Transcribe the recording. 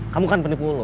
kamu kan penipu lo